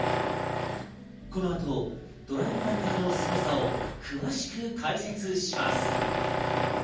この後、『ドライブ・マイ・カー』のすごさを詳しく解説します。